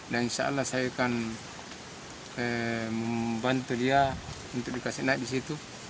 dan insya allah saya akan membantu dia untuk dikasih naik di situ